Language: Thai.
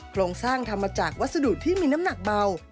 โครงสร้างทำมาจากวัสดุที่มีน้ำหนักเบา